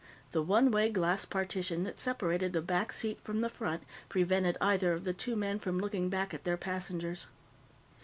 The one way glass partition that separated the back seat from the front prevented either of the two men from looking back at their passengers.